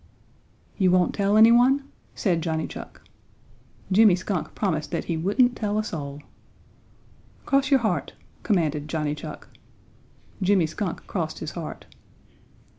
"You won't tell any one?" said Johnny Chuck. Jimmy Skunk promised that he wouldn't tell a soul. "Cross your heart," commanded Johnny Chuck. Jimmy Skunk crossed his heart.